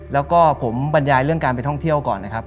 แล้วก็ผมบรรยายเรื่องการไปท่องเที่ยวก่อนนะครับ